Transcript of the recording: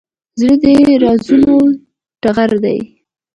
زړه د رازونو ټغر دی.